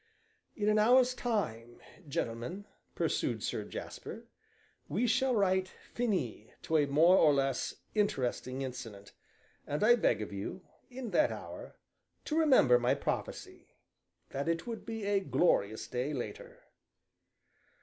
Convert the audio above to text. "In an hour's time, gentlemen," pursued Sir Jasper, "we shall write 'finis' to a more or less interesting incident, and I beg of you, in that hour, to remember my prophecy that it would be a glorious day, later."